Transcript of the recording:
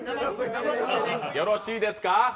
よろしいですか。